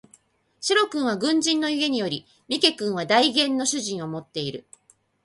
白君は軍人の家におり三毛君は代言の主人を持っている